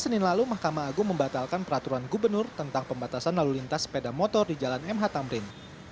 senin lalu mahkamah agung membatalkan peraturan gubernur tentang pembatasan lalu lintas sepeda motor di jalan mh tamrin